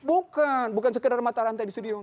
bukan bukan sekedar mata rantai di studio